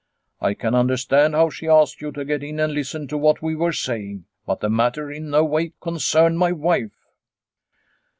" I can understand how she asked you to get in and listen to what we were saying. But the matter in no way concerned my wife."